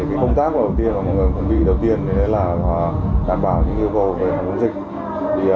công tác đầu tiên mà mọi người chuẩn bị đầu tiên là đảm bảo những yêu cầu về hành động dịch